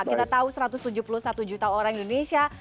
kita tahu satu ratus tujuh puluh satu juta orang indonesia